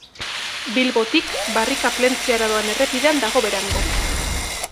Bilbotik Barrika-Plentziara doan errepidean dago Berango.